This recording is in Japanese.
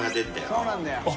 そうなんだよ。